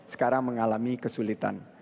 sekarang mengalami kesulitan